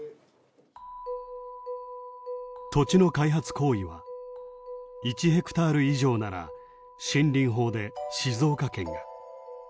土地の開発行為は１ヘクタール以上なら森林法で静岡県が。